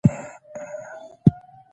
د افغانستان پرمختګ په پښتني دودونو کې دی.